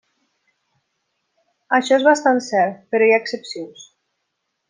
Això és bastant cert, però hi ha excepcions.